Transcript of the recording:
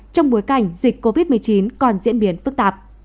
trong bối cảnh dịch covid một mươi chín còn diễn biến phức tạp